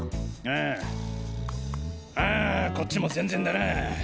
あああこっちも全然だな。